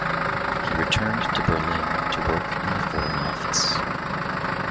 He returned to Berlin to work in the Foreign Office.